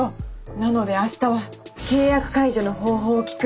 なので明日は契約解除の方法を聞く。